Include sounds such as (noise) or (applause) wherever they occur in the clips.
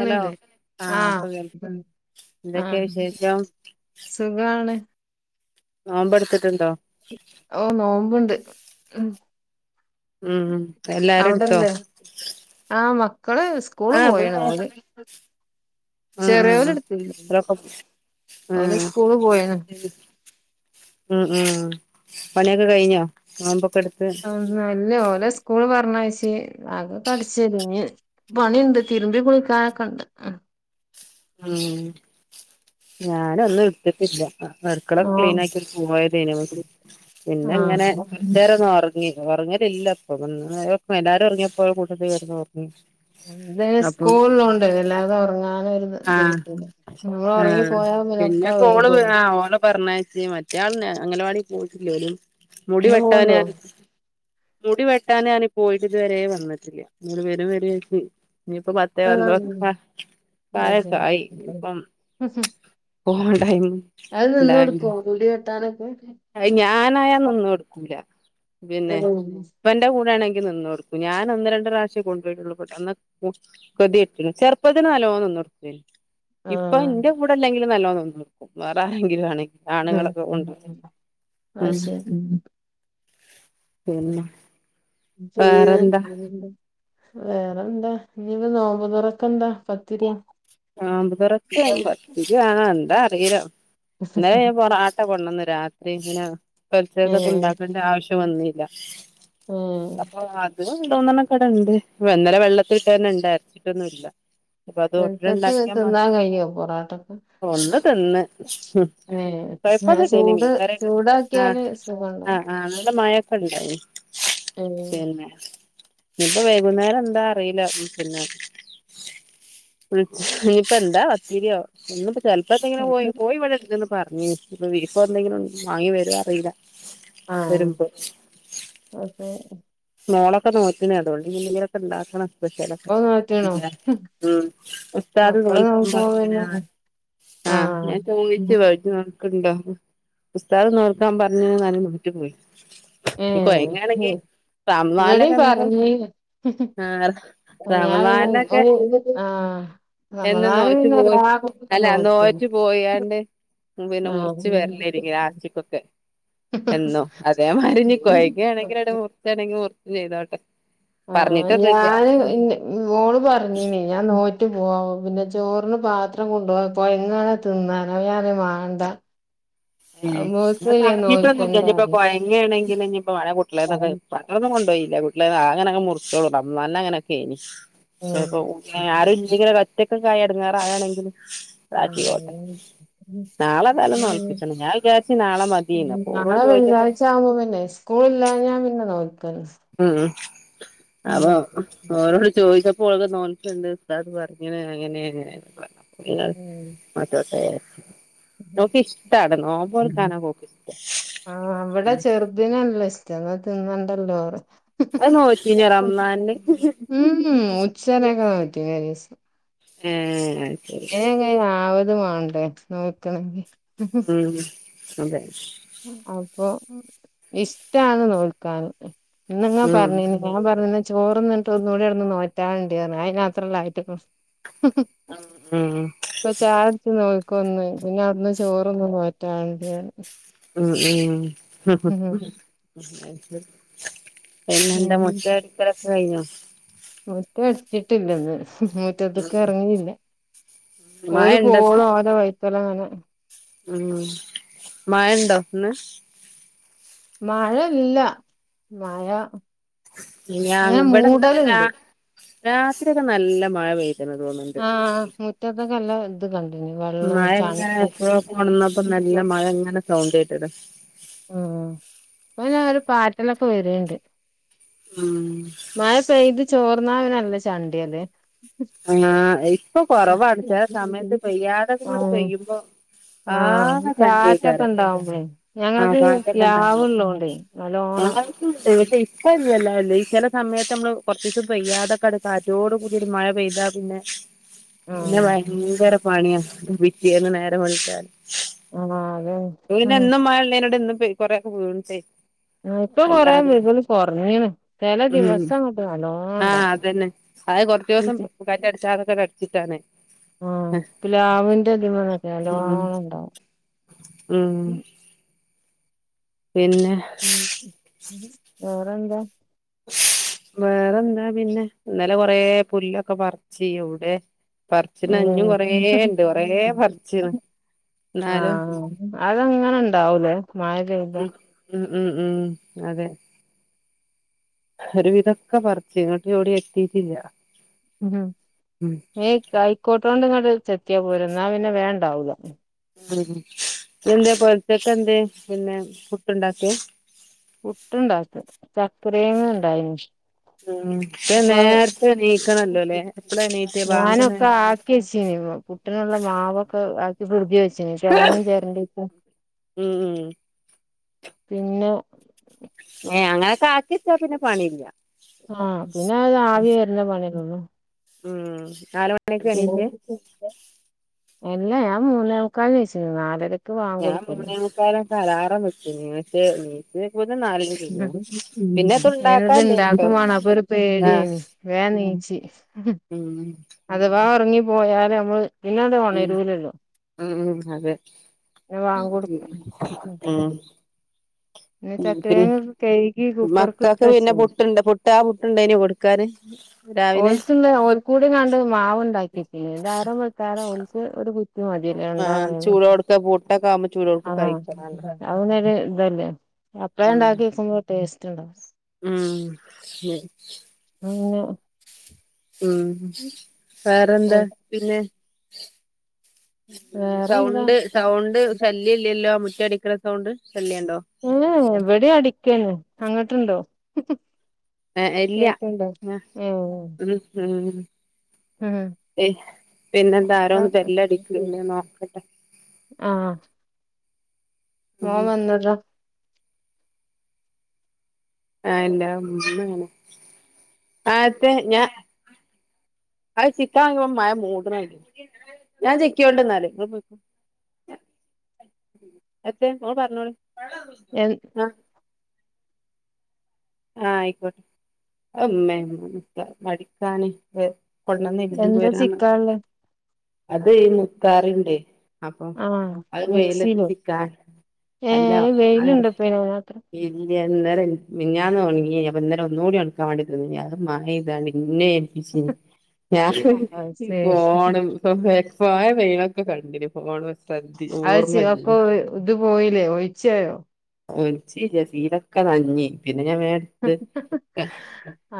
Hello ആ ആഹ് ഇപ്പൊ കേൾ ആ എന്തൊക്കെയാ വിശേഷം സുഖാണ് നോംബ് എടുത്തിട്ടുണ്ടോ? ഓ നോംബ്ണ്ട് ഉം. ഉം എല്ലാരും എടുത്തോ അവിടെല്ലേ ആ മ മക്കള് സ്കൂള് ആഹ് ഇവിടെ പോയേണ് ആഹ് അത് ചെറിയോല് ആഹ് ഇട്തീല്ല. ഇവരൊക്കെ ഓല് ആഹ് സ്കൂള് പോയിന് ഉം ഉം പണിയൊക്കെ കഴിഞ്ഞോ? ന്താ ആ അല്ലേ ഓലെ സ് സ്കൂള് പറഞ്ഞയച്ച് അകക്കെ അടിച്ചേരീ, ഇനി പണിണ്ട്, തിര്മ്പി കുളിക്കാനൊക്കെണ്ട് ഉം. ഉം ഞാന് ഒന്നും ഇട്ത്തിട്ടില്ല. അട്ക്കളൊക്കെ ഓ ക്ലീൻ ആക്കി പോയതേനു. പിന്നെ ഇങ്ങനെ ആഹ് കൊറച്ചേരം ഒന്ന് ഉറങ്ങി ഉറങ്ങി ഇല്ലപ്പൊ എല്ലാരും ഒറങ്ങിയപ്പോ കൂട്ടത്തിൽ ഒറങ്ങി അത് അപ്പം സ്കൂള് ളളോണ്ട് വല്ലാതെ ഒറങ്ങാനും ഇത് ആഹ് ഇത്കിട്ടൂല. ങ്ങനെ ഒറങ്ങി ആഹ് പോയാലൊക്കെ വൈകൊല്ലോ പറഞ്ഞയച് മറ്റയാൾ അങ്ങനവാടി പോയിട്ടില്ലേലും മുടി ഇന്ന് വെട്ടാന് പോണ്ടോ മുടി വെട്ടാന് പരഞ് പോയിട്ട് ഇതുവരേ വന്നിട്ടില്ല. ഇങ്ങനെ വരും വരും വിചാരിച് ഇനി ഇപ്പൊ പത്തേ (unintelligible) വന്ത അത് കഴക്ക ആയി ശരി ഇപ്പം (unintelligible) അത് ഉണ്ടാവണ്ട നിന്നൊട്ക്കോ മുടി വെട്ടാനൊ അത് ഞാനാണെങ്കി നിന്നൊട്ക്കൂല. പിന്നെ ഇപ്പന്റെ കൂടെ ആണെ നിന്നൊട്ക്കും. ഞാൻ ഒന്ന് രണ്ട് പ്രാവശ്യം കൊണ്ടോയിട്ടുളളൂ. (unintelligible) ചെറുപ്പത്തില് നല്ലോണം ഇപ്പ ആഹ് എന്റെ കൂടെല്ലെങ്കിലും നല്ലോണം നിക്കും വേറെ ആരെങ്കിലും ആണെങ്കിൽ ആണുങ്ങളൊക്കെ ഉണ്ട് അ ശെരി ഉം പിന്നെ വേറെന്താ (unintelligible) വേറെന്താ? ഇന്ന് നോമ്പ്തൊറക്കെന്താ പത്തിരിയാ? (unintelligible) ആണോ എന്താ അറീല. ഇന്നലെ പൊറാട്ട കൊണ്ടന്ന് രാത്രി ഇങ്ങന ഏഹ് പെൽചക്കെതും ഇണ്ടാക്കേണ്ട ആവശ്യം ഏഹ് വന്നീല്ല അപ്പൊ അത് (unintelligible) ഇണ്ട് ഇന്നലെ വെള്ളത്തീട്ടന്നെ ഇണ്ട് അരച്ചിട്ടൊന്നും ഇല്ല അപ്പൊ അത് ഇവൽക്കൊക്കെ ഇണ്ടാക്കിയ തിന്നാൻ കഴിയോ പൊറാട്ടൊക്കെ? ഒന്ന് തിന്ന് ഏഹ് കൊഴപ്പൊന്നില്ലേനു ചൂട് മീൻ വേറെക്കെ ആ ചൂടാക്കിയാല് സുഖണ്ടോ? ആ ആ നല്ല മഴൊക്കെ ഇണ്ടായി ഏഹ് പിന്നെ ഇപ്പ വൈകുന്നേര എന്താ അറിയില്ല പിന്നെ ഇനിയിപ്പോ എന്താ പത്തിരിയാ (inaudible) ചെലപ്പപ്പോ ഇങ്ങനെ കോയി കോയി ഇവിടെ ഇണ്ടെന്ന് പറാഞ്ഞിന്ന് അ ബീഫോ എന്തെങ്കിലും വാങ്ങി വരോ അറിയില്ല ആഹ് വരുമ്പ് അതെ മോളെ ഒക്കെ നോറ്റണ അതോണ്ട് ന്തെങ്കിലൊക്കെ ഉണ്ടാക്കണംസ്പെഷലൊക്കെ ഓൻ നോറ്റ്ണോ? ഉസ്താദ് മക്കള് നോൽക്കണം നോക്കുമ്പോ പറഞന് പിന്നെ ആ ആഹ് ഞാൻ (unintelligible) ണ്ടോ ഉസ്താദ് നോൽക്കാൻ പറഞ്ഞും നോറ്റി പോയി ഇനി ഏഹ് കോയങ്ങാണെങ്കി ഇവിടിം റമളാൽക്കെ എന്ത പറഞ്ഞീന്ന് ആ ഞാൻ പിന്നെ റമളാൽക്കെ ഓന് ആഹ് എന്ന റമളാന് നോറ്റ് പിന്നെ പോയി എല്ലാ കുട്ടികളും അല്ല നോൽക്കും നോറ്റ് പോയണ്ട് പിന്നെ ആഹ് മുറിച്ച് വരലനി ലാസ്റ്റ് ക്കൊക്കെ എന്നോ അതേമാരി ഇനി കൊയങ്ങണെങ്കിലട്ട് മുറിച്ചണെങ്കി മുറച്ച് ചെയ്തോട്ടെ ആഹ പറഞ്ഞിട്ടൊന്നുല്ല ഞാന് ഓള് പറഞ്ഞനി ഞാൻ നോറ്റ പോവാ പിന്നെ ചോറിന് പാത്രം കൊണ്ടുപോവാപ്പോ കോയങ്ങാനെ തിന്നാലോ ഞാന വേണ്ട ഉ ഞ പറഞ്ഞിട്ട്ൊന്നും ഇനിയിപ്പോ നോൽക്കണ്ടാന്ന് കൊഴങ്ങ ആണെങ്കിൽ ഇനിയിപ്പോ മറ്റെ കുട്ടികളെന്നൊക്കെ പത്രൊന്നും കൊണ്ടോയിട്ടില്ല അങ്ങനെ മുറിച്ചോളൂ റമളാനിൽ അങ്ങനൊക്കെ ഏനി. ആരൂല്ലെങ്കിലൊക്കെ ഒറ്റ കായ അടങ്ങാറ ആയാണെങ്കിൽ ആ നാളെ ഏതായാലും ഉ നോൽപ്പിച്ചണം ഞാൻ വിചാരിച്ച് നാളെ മതീന്ന് അപ്പൊ ഓളോട് നാളെ ചോദിച്ചപ്പോ വെള്ളിയാഴ്ച ആവുമ്പോ പിന്നെ സ്കൂള ഇല്ല ഞാൻ പിന്നെ നോ ഉം അപ്പൊ ഉം. ഓരോട് ചോദിച്ചപ്പോൾക്കെ നോൽ ഉസ്താദ് പറഞ്ഞിന്. അങ്ങനെ ഇങ്ങനെ ഒക്കെ പറഞ്ഞു അപ്പൊ ഞാൻ നോറ്റോട്ടെ വിചാരിച്ചു നോക്ക ഇഷ്ട നോമ്പോലക്കാനക്ക ഇഷ്ട ഉ എന്നാൽ തിന്നണ്ടല്ലോ പറ അത് നോറ്റീനോ റംളാനില് ഉ ഉച്ചനൊക്കെ പറ്റി ദിവസം ഉം ആ കൈ ആവതു മാണ്ടേ നോക്കണെങ്കി ഉം അതെ അപ്പൊ ഇഷ്ടന്ന് നോക്കാൻ ഇന്ന്ങ്ങാ ഉം പറഞ്ഞീനി ഞാൻ പറഞ്ഞ ചോറന്നിട്ട് ഒന്നൂടി ഇടന്ന് നോറ്റാുണ്ട അയിന്നത്രമല്ല ആയിട്ട് ഉം പ ചായടിച്ച നോ ഒന്ന് പിന്നെ അടുന്ന് ചോറൊന്ന മാറ്റാണ്ട ഉ ഉ പിന്നെ എന്താ മുറ്റരിക്കലൊക്കെ കഴിഞ്ഞു മുറ്റ അടിച്ചിട്ടില്ലന്ന് മുറ്റതൊക്കെ ഇറങ്ങിയില്ല മഴ ഓൽ ഇണ്ടന്ന് പോവോളം ഓലെ വൈത്തലങ്ങനെ ഉം മഴണ്ടോ ന്ന് മഴ ഇല്ല മഴ ഇ ഇങ്ങനെ ഇവിടെന്ന രാ മൂടല്ണ്ട് രാത്രി ഒക്കെ നല്ല മഴ പെയ തിണ് തോന്നണ്ട് ഇ കല്ല എ ക മഴ എങ്ങനെ എപ്പോ കൊണന്നപ്പോ നല്ല മഴ എങ്ങനെ സൗണ്ട ആട്ടത് (unintelligible) പ്പ ങ്ങനെ ഒരു പാറ്റലൊക്കെ വരണ്ട് ഉം ചോർന്ന അവനല്ല ചണ്ടി അല്ലേ ആഹ ഇപ്പൊ കൊറവാണ് ചെല സമയത്ത് പെയ്യാതൊക്ക കൂടി പെയ്യുമ്പോ ആഹ ഈ ആകെ ചാറ്റൊക്കെ ചണ്ടേക്കാരം ഇണ്ടാവുമ്പോേ ആഹ് ഞങ്ങത് ാവള്ളോണ്ടേ നല്ല ആവറ്റ ഇ്ട ഇില്ലല്ല അല്ല ച സമയത്ത് നമ്മള് കുറച്ച ദിവസം പെയ്യാതൊക്കെ അടുക്ക ആറ്റോട് കൂതിരു മഴ പെയ്താ പിന്നെ പിന്നെ ആഹ് ഭയങ്കര പണിയാ പിറ്റേന്ന് നേരെ വിളിച്ചൻ ആഹ് അതെ നെ ഉം എന്നും മഴള്ളേനോട് ഇ കൊറെക്കെ വീ (unintelligible) ആ ഇപ്പൊ കൊറേ വികല് കുറഞ്ഞു ചില ദിവസം അങ്ങോട്ട് വള്ളോണ്ട പിന്നെ അത് കുറച്ച ദിവസം (unintelligible) അടിച്ചാതൊക്കെ അടിച്ചിട്ടാണ് ആഹ ഇ ലാവിന്റെ അധമക്കെ ലവണ ഇണ്ടാവും ആഹ പിന്നെ വേറെന്താ വേറെന്താ പിന്നെ ഇന്നലെ കൊറെ പുല്ലൊക്കെ പറിച്ചി എവിടെ പറച്ചിന അഞ്ഞും ഉം കൊറേ ഇണ്ട് കൊറേ പറച്ചന് ആഹ അതങ്ങനെ ഇണ്ടാവലേ (unintelligible) ഉം ഉം ഉം അതെ ഒരു വിതൊക്കെ പറച്ച് ഇങ്ങോട്ട് വിടെ എത്തിട്ടില്ല ഉ ഈ കയിക്കോട്ടൊണ്ട് ചെത്തിയാ പോരും ന്നാ പിന്നെ വേഗണ്ടാവുല. ഉ എന്താ പോലത്തേക്ക എന്ത് പിന്നെ പുട്ട്ണ്ടാക്കിയ പുട്ടുണ്ടാക്കും ചക്കെരയെങ്ങ്യിണ്ടായി നി. ഉം അപ്പോ നേരത്തെ എണീക്കണല്ലോല്ലേ എപ്പളാ എണീറ്റെ ബാങ്ക് നേര ഞാനെക്കെ ആക്കി യെച്ചിനി അ പെട്ടനുള്ള മാവൊക്കെ ആക്കി കുടുതി വെച്ചിന് തേങ്ങി ചേരണ്ടിപ്പ. ഉം ഉം പിന്നെ ഏയ് അങ്ങനൊക്കെ ആാക്കിച്ചാ പിന്നെ പണിയില്ല. ആഹ പിന്നെ അത് ആവി വരുന്ന പണിയലൊ ള്ളു. ഉം നാല് മണിക്ക എണീട്ടേ? ഇല്ല ഞാൻ മൂന്നേമുക്കാലിന് നീച്ക്ണ് നാ ഞാൻ മൂന്നേ മു കാലിനൊക്കെ അലാറം വെച്ചു പക്ഷെ നീ ഞാനിത് ഇണ്ടാക്കും വേണം അപ്പൊ ഒരു പേടിയേനി (unintelligible) വേം നീച്ചി അഥവാ ഉറങ്ങി പോയാല് നമ്മള് പിന്നാണ് ഉം ഒണരൂ ലല്ലോ? ഉം ഉം അതെ വാങ്ക്കൊടുക. ഉ പിന്നെ കഴുകി കുക്കർക്ക് മക്കക്ക് ഇട്ട് പിന്നെ വെച്ചീനി പുട്ടുണ്ട് ആ പുട്ടുണ്ടായിന കൊടുക്കാാന്. (unintelligible) ആഹ് ചൂടോട്ക്കെ (unintelligible) പുട്ടൊക്കെ ആവുമ്പോ ചൂടോട്ക്കെ ആഹ കഴിക്കണല്ലോ അനൊരു ഇതല്ലേ അപഴേ ഉം ഉണ്ടാക്കി വക്കുമ്പോ ടേസ്റ്റ് ഉണ്ടാവും. ഉം (unintelligible) ഉം വേറെന്താ പിന്നെ വേറെന്താ സൗണ്ട് സൗണ്ട് ശല്യം ഇല്ലല്ലോ മുറ്റ അടിക്ണ സൗണ്ട്. ശല്യണ്ടോ ഏ എവിടെ അടിക്കന്ന് അങ്ങോട്ടുണ്ടോ? ഏ ഇല്ല കേക്കണ്ടോ ആ ഉം ഉം പിന്നെന്താ ആാരോ അത്ര ഒന്ന് ബെല്ലടിക്ക്ണ്ട് നോക്കട്ടെ. ആഹ ഉം മോൻ വന്നതാ. (unintelligible) അത് ചിക്കാ നിന്ന്പ്പ മഴ മൂ ട്ണ്ഞാൻ ചിക്കോണ്ടിന്നാൽ. എത്തെ ഇങ്ങള് പറഞ്ഞോളി എ ആഹ ആഹ ആയിക്കോട്ടെ ഉമ്മ മടിക്കാന് ഏ പണന്ന് ഇടിഞ്ഞു എന്താ പോരാണ് ചിക്കാള്ളെ അത് മുത്താറിണ്ട്. അപ്പൊ അത് വെയിലത്ത് ചിക്കാ. ഏ വെയിലുണ്ട പൊയിനാ ത്രം. ഇന്നലെ മിനിഞ്ഞാന്ന് ഒണങ്ങി അപ്പം ഇന്നലെ ഒന്നുടെ വയ്ക്കാൻ അത് മഴ പെയ്ത ന്നെ ഏപ്പിച്ചീനി അത് ഞാന് ശരി ഫോ പോയ വെയിലൊക്കെ കണ്ടിനി അത്ച്ച അപ്പൊ ഇത് പോയില്ലേ ഒഴിച്ചായോ ഒൽച്ചിലസീലൊക്കെ നനഞ്.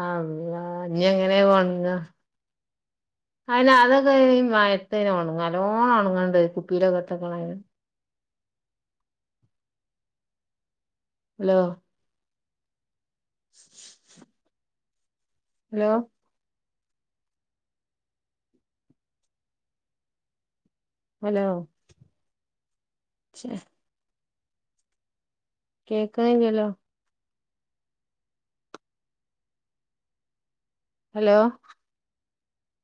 അള്ളാ ഇഞ്ഞ്ങ്ങനെ അത് ഒണ ങ്ങാ? അയിന് അതൊക്കെ മയത്തന് ഉണുങ്ങ അലോണം ഒണങ്ങണ്ട് കുപ്പിയിലൊക്കെ ഇട്ടക്കെണങ്കി. ഹലോ ഹലോ ഹലോ കേക്ണില്ലല്ലോ? ഹലോ